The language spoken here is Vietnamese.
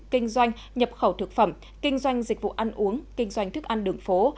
kinh doanh nhập khẩu thực phẩm kinh doanh dịch vụ ăn uống kinh doanh thức ăn đường phố